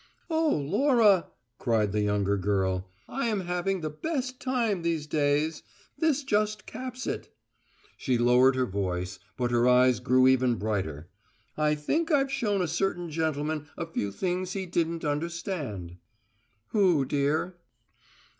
"Oh, Laura," cried the younger girl, "I am having the best time, these days! This just caps it." She lowered her voice, but her eyes grew even brighter. "I think I've shown a certain gentleman a few things he didn't understand!" "Who, dear?"